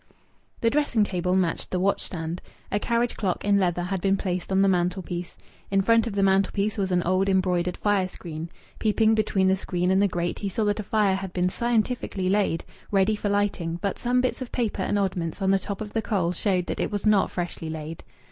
The dressing table matched the washstand. A carriage clock in leather had been placed on the mantelpiece. In front of the mantelpiece was an old embroidered fire screen. Peeping between the screen and the grate, he saw that a fire had been scientifically laid, ready for lighting; but some bits of paper and oddments on the top of the coal showed that it was not freshly laid.